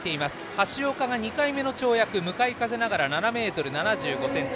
橋岡が２回目の跳躍向かい風ながら７ｍ７５ｃｍ。